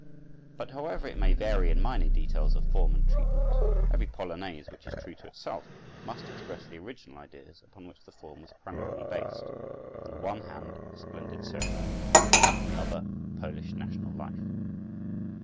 But however it may vary in minor details of form and treatment, every polonaise which is true to itself must express the original ideas upon which the form was primarily based—on the one hand a splendid ceremonial, on the other Polish national life.